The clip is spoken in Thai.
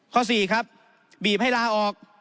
ข้อ๔ครับบีบให้ลาออก